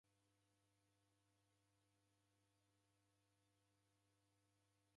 Oreandika w'andu w'ebonya kazi.